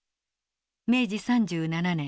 明治３７年。